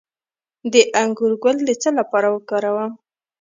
د انګور ګل د څه لپاره وکاروم؟